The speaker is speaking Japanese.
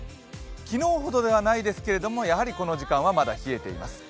昨日ほどではないですけれどもやはり、この時間はまだ冷えています。